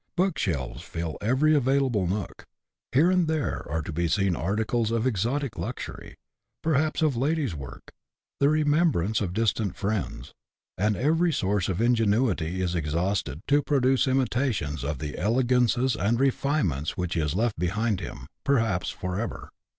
Book shelves fill every available nook ; here and there are to be seen articles of exotic luxury, perhaps of ladies' work, the remembrances of distant friends ; and every resource of ingenuity is exhausted to produce imitations of the elegances and refinements which he has left behind him, perhaps for ever.